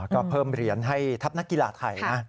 ก็เพิ่มเหรียญให้ทัพนักกีฬาไทยนะ